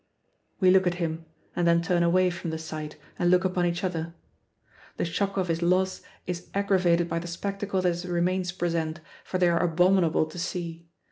We look at him, and then turn away from the sight and look upon each other. The shock of his loss is aggravated by the spectacle that his remains present, for they are abominable to see.